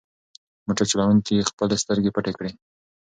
موټر چلونکي خپلې سترګې پټې کړې.